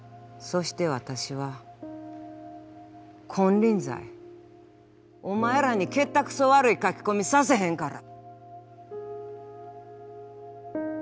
そしてわたしは金輪際お前らにけったくそ悪い書き込みさせへんから。